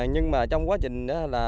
nhưng mà trong quá trình